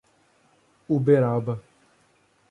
Uberaba